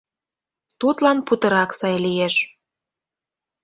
Тудлан путырак сай лиеш.